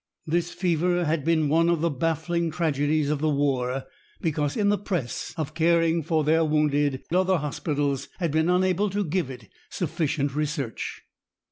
This fever had been one of the baffling tragedies of the war, because in the press of caring for their wounded, other hospitals had been unable to give it sufficient research.